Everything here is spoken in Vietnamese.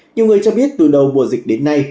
nhiều người cho biết từ đầu mùa dịch đến nay